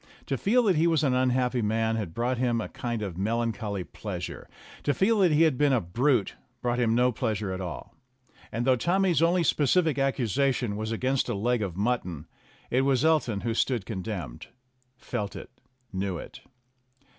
To feel that he was an unhappy man had brought him a kind of melancholy pleasure; to feel that he had been a brute brought him no pleasure at all. And, though Tommy's only specific accusation was against the leg of mutton, it was Elton who stood condemned felt it knew it.